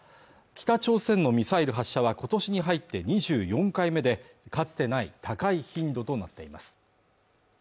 北朝鮮のミサイル発射は今年に入って２４回目でかつてない高い頻度となっています